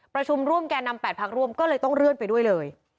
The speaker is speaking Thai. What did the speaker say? ประชุมร่วมแก่นำ๘พักร่วมก็เลยต้องเลื่อนไปด้วยเลย